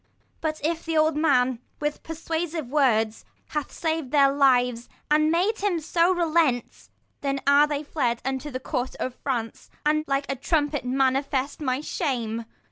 But if the old men, with persuasive words, Have sav'd their lives, and made him to relent ; 10 Then are they fled unto the court of France, And like a trumpet manifest my shame.